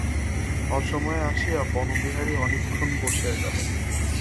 অসময়ে আসিয়া বনবিহারী অনেকক্ষণ বসিয়া গেল।